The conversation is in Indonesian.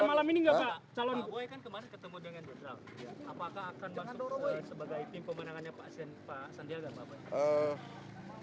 apakah akan masuk sebagai tim pemenangannya pak sandiaga pak